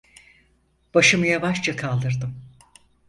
Başımı yavaşça kaldırdım.